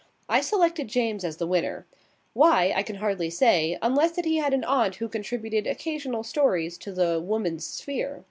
I selected James as the winner. Why, I can hardly say, unless that he had an aunt who contributed occasional stories to the "Woman's Sphere".